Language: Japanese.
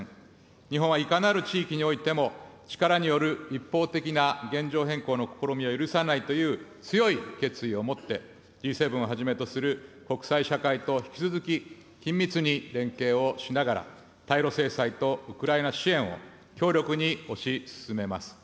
日本はいかなる地域においても力による一方的な現状変更の試みは許さないという強い決意を持って、Ｇ７をはじめとする国際社会と引き続き緊密に連携をしながら、対ロ制裁とウクライナ支援を強力に推し進めます。